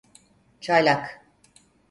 Çaylak.